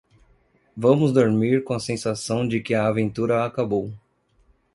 Vamos dormir com a sensação de que a aventura acabou.